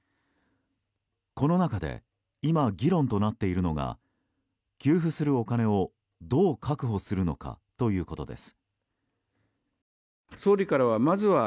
この中で今、議論となっているのが給付するお金をどう確保するのかということです。